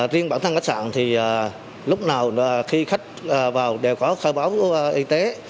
riêng bản thân khách sạn thì lúc nào khi khách vào đều có khai báo y tế